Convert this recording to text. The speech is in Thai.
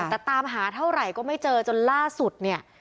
แต่ตามหาเท่าไหร่ก็ไม่เจอจนล่าสุดเนี่ย